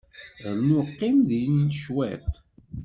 Rnu qqim din cwiṭ.